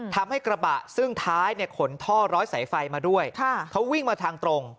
ทำให้กระบะซึ่งท้ายเนี่ยขนท่อร้อยสายไฟมาด้วยเขาวิ่งมาทางตรง